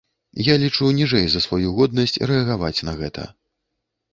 Я лічу ніжэй за сваю годнасць рэагаваць на гэта.